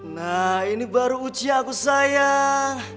nah ini baru uji aku sayang